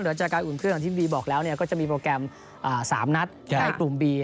อุ่นเครื่องที่บีบอกแล้วเนี่ยก็จะมีโปรแกรม๓นัดใกล้กลุ่มบี